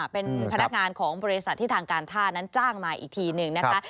เป็นพนักงานของบริษัทที่ทางการท่านั้นจ้างมาอีกทีหนึ่งนะคะ